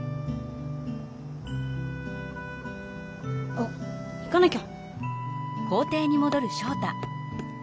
あっ行かなきゃ。